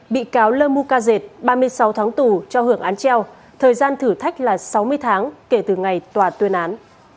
bị cáo lơ mu ca dệt ba mươi sáu tháng tù cho hưởng án treo thời gian thử thách là sáu mươi tháng kể từ ngày tòa tuyên án